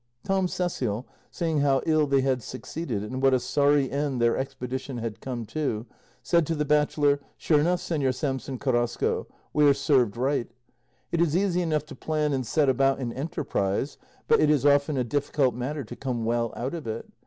Tom Cecial, seeing how ill they had succeeded, and what a sorry end their expedition had come to, said to the bachelor, "Sure enough, Señor Samson Carrasco, we are served right; it is easy enough to plan and set about an enterprise, but it is often a difficult matter to come well out of it.